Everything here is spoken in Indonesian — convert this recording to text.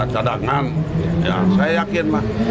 cadangan ya saya yakin lah